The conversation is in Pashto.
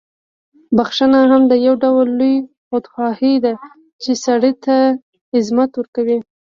بخښنه هم یو ډول لویه خودخواهي ده، چې سړی ته عظمت ورکوي.